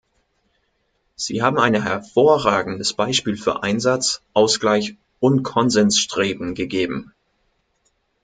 Sie haben ein hervorragendes Beispiel für Einsatz, Ausgleich und Konsensstreben gegeben.